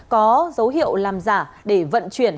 có dấu hiệu làm giả để vận chuyển